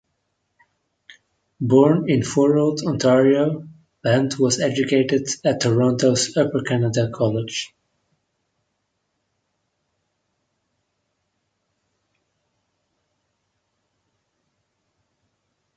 Born in Thorold, Ontario, Band was educated at Toronto's Upper Canada College.